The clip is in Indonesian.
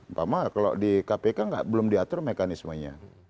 bapak mak kalau di kpk belum diatur mekanismenya